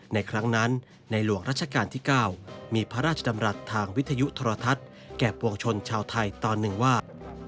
ในครั้งนั้นในหลวงรัชกาลที่๙มีพระราชดำรัฐทางวิทยุโทรทัศน์แก่ปวงชนชาวไทยตอนหนึ่งว่า